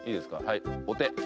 はいお手。